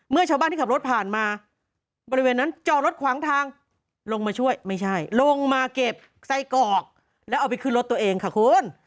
ชาวบ้านที่ขับรถผ่านมาบริเวณนั้นจอดรถขวางทางลงมาช่วยไม่ใช่ลงมาเก็บไส้กรอกแล้วเอาไปขึ้นรถตัวเองค่ะคุณ